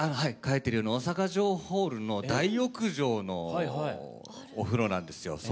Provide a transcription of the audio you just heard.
大阪城ホールの大浴場のお風呂なんですよ。